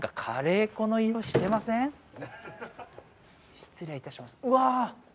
失礼いたしますうわ